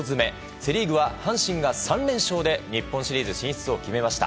セ・リーグは阪神が３連勝で日本シリーズ進出を決めました。